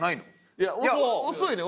いや遅いねん。